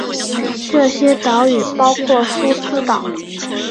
这些岛屿包括苏斯港。